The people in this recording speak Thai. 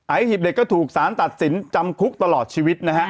หีบเด็กก็ถูกสารตัดสินจำคุกตลอดชีวิตนะฮะ